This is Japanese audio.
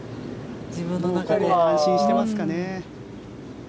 自分の中で安心してますかね。